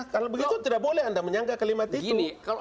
kalau begitu tidak boleh anda menyangka kelimat itu